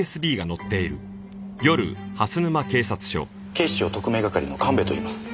警視庁特命係の神戸といいます。